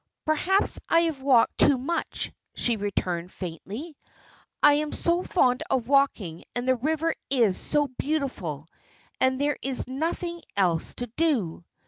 "Perhaps I have walked too much," she returned, faintly. "I am so fond of walking, and the river is so beautiful, and there is nothing else to do."